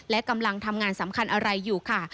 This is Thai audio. และกำลังทำงานสำคัญอะไรอยู่ค่ะ